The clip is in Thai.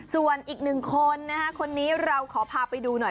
ส่วนอีกหนึ่งคนนะฮะคนนี้เราขอพาไปดูหน่อย